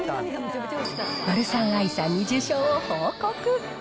マルサンアイさんに受賞を報告。